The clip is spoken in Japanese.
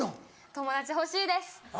友達欲しいです。